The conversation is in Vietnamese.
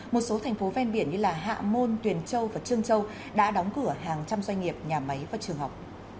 một số thành phố ven biển như hạ môn tuyền châu và trương châu đã đóng cửa hàng trăm doanh nghiệp nhà máy và trường học